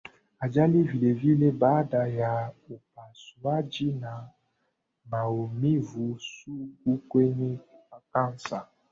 ajali vilevile baada ya upasuaji na maumivu sugu kwenye kansa